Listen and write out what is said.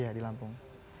iya di lampung